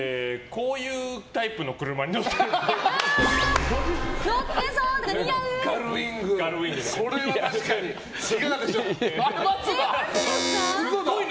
こういうタイプの車に乗ってるっぽい。